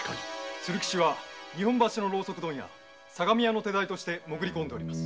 鶴吉は日本橋・相模屋の手代として潜り込んでおります。